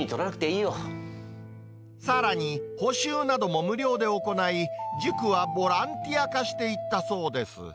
さらに、補修なども無料で行い、塾はボランティア化していったそうです。